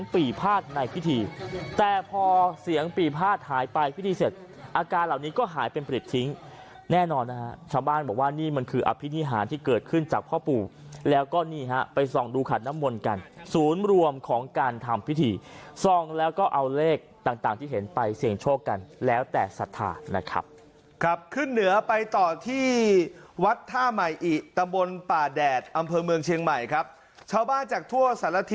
ปีภาษณ์ในพิธีแต่พอเสียงปีภาษณ์หายไปพิธีเสร็จอาการเหล่านี้ก็หายเป็นผลิตทิ้งแน่นอนนะฮะชาวบ้านบอกว่านี่มันคืออภิษฐิหารที่เกิดขึ้นจากพ่อปู่แล้วก็นี่ฮะไปส่องดูขัดน้ำมนต์กันศูนย์รวมของการทำพิธีส่องแล้วก็เอาเลขต่างต่างที่เห็นไปเสียงโชคกันแล้วแต่ศร